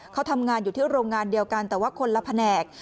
เขาทำงานอยู่ที่โรงงานเดียวกันแต่ว่าคนละแผนก